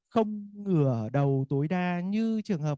không ngửa đầu tối đa như trường hợp